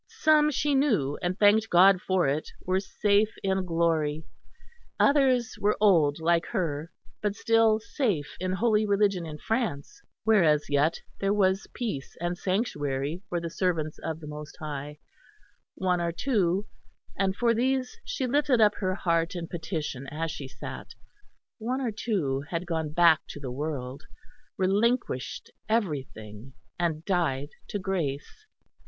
Some she knew, and thanked God for it, were safe in glory; others were old like her, but still safe in Holy Religion in France where as yet there was peace and sanctuary for the servants of the Most High; one or two and for these she lifted up her heart in petition as she sat one or two had gone back to the world, relinquished everything, and died to grace.